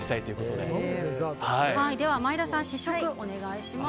では前田さん試食をお願いします。